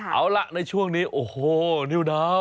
เอาล่ะในช่วงนี้โอ้โหนิวดาว